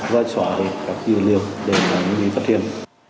và xóa được các dữ liệu để phát hiện